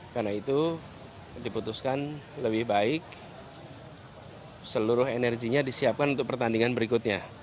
karena itu diputuskan lebih baik seluruh energinya disiapkan untuk pertandingan berikutnya